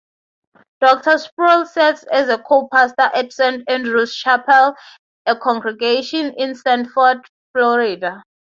Doctor Sproul serves as co-pastor at Saint Andrew's Chapel, a congregation in Sanford, Florida.